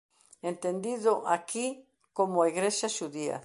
Entendido aquí como “a Igrexa” xudía.